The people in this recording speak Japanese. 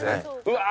うわ！